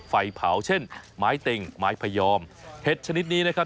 ไฟเผาเช่นไม้เต็งไม้พยอมเห็ดชนิดนี้นะครับ